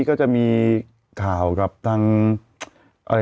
อ๋ออะไรย้อนกลับไป